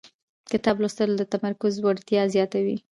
کتاب لوستل د تمرکز وړتیا زیاتوي